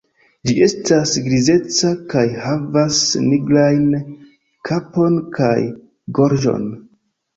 Ĝi estas grizeca kaj havas nigrajn kapon kaj gorĝon.